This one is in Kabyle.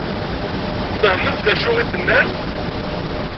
Fehment d acu i d-nenna?